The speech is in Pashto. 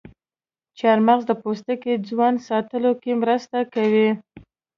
چارمغز د پوستکي ځوان ساتلو کې مرسته کوي.